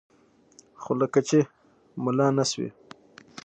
خو لکه چې ملا نه سوې.